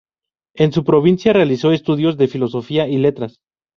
En su provincia realizó estudios de Filosofía y Letras.